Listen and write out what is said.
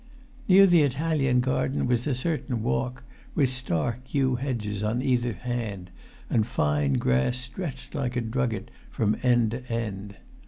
Near the Italian garden was a certain walk, with stark yew hedges on either hand, and fine grass stretched like a drugget from end to end.